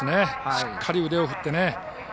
しっかり腕を振ってね。